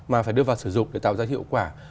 mà phải đưa vào sử dụng để tạo ra hiệu quả